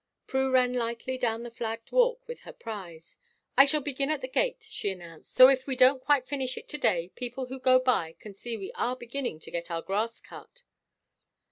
Prue ran lightly down the flagged walk with her prize. "I shall begin at the gate," she announced, "so if we don't quite finish it to day people who go by can see we are beginning to get our grass cut."